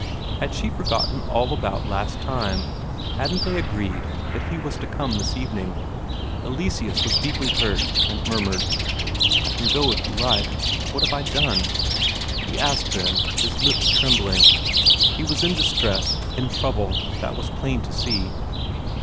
Had she forgotten all about last time? Hadn't they agreed that he was to come this evening? Eleseus was deeply hurt, and murmured: "I can go, if you like. What have I done?" he asked then, his lips trembling. He was in distress, in trouble, that was plain to see.